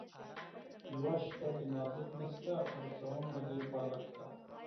یوه شپه ده نازک نسته ـ خرڅوم به دې بالښته